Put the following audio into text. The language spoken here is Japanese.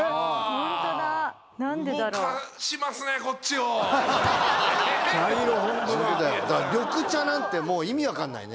ホントだ茶色ホントだ緑茶なんてもう意味分かんないね